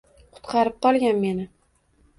Qutqarib qolgin meni.